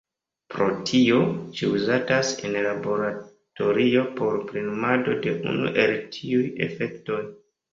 Pro tio, ĝi uzatas en laboratorio por plenumado de unu el tiuj efektoj.